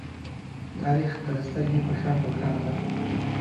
تاریخ د سترگې په شان روښانه ده.